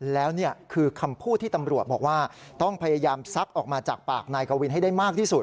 แล้วนี่คือคำพูดที่ตำรวจบอกว่าต้องพยายามซักออกมาจากปากนายกวินให้ได้มากที่สุด